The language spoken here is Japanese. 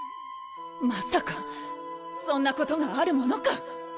まさかそんなことがあるものか！